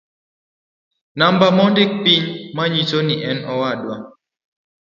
Namba mondik piny manyiso ni en owadwa